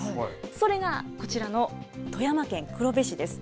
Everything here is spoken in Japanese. それがこちらの富山県黒部市です。